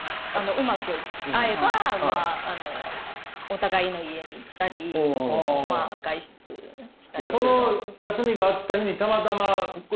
うまく合えばお互いの家に行ったり外出したり。